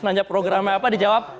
nanya programnya apa dijawab